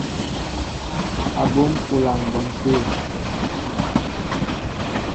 Abum kúla ŋgǒm té.